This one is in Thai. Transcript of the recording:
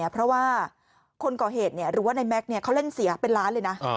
เพราะว่าคนก่อเหตุหรือว่าในแม็กซ์เขาเล่นเสียเป็นล้านเลยนะ